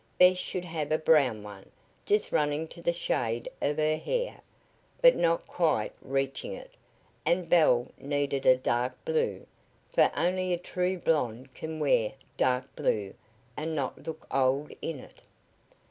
Bess should have a brown one just running to the shade of her hair, but not quite reaching it, and Belle needed a dark blue for only a true blond can wear dark blue and not look old in it.